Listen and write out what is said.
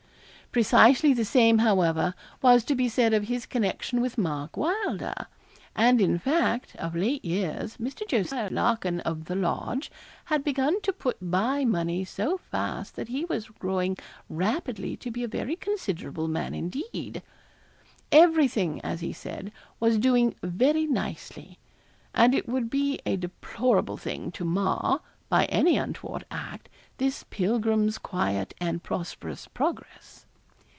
Precisely the same, however, was to be said of his connection with Mark Wylder; and in fact, of late years, Mr. Jos. Larkin, of the Lodge, had begun to put by money so fast that he was growing rapidly to be a very considerable man indeed. 'Everything,' as he said, 'was doing very nicely;' and it would be a deplorable thing to mar, by any untoward act, this pilgrim's quiet and prosperous progress.